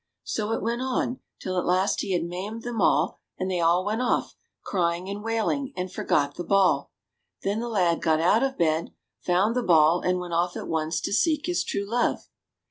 So it went on, till at last he had maimed them all, and they all went off, crying and wailing, and forgot the ball ! Then the lad got out of bed, found the ball, and went off at once to seek his true love.